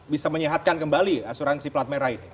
bisa menyehatkan kembali asuransi platmerai